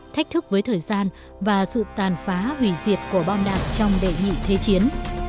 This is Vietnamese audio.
thách thức với thời gian và sự tàn phá hủy diệt của bom đạn trong đệ nhị thế chiến